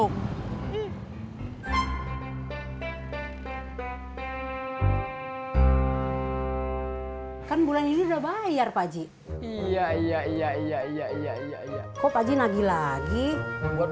hai kan bulan ini udah bayar pak ji iya iya iya iya iya iya iya kok pajina gila lagi buat